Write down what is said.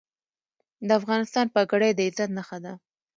د افغانستان پګړۍ د عزت نښه ده